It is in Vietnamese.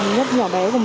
nhất nhỏ bé